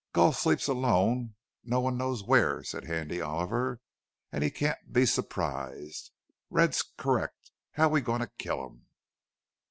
"Gul sleep alone, no one knows where," said Handy Oliver. "An' he can't be surprised. Red's correct. How're we goin' to kill him?"